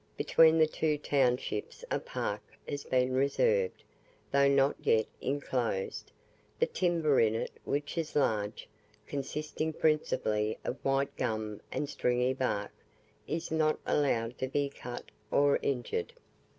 Between the two townships a park has been reserved, though not yet enclosed; the timber in it, which is large consisting principally of white gum and stringy bark is not allowed to be cut or injured.